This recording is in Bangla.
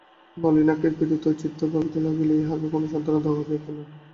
নলিনাক্ষের পীড়িত চিত্ত ভাবিতে লাগিল, ইহাকে কোনো সান্ত্বনা দেওয়া যায় কি না।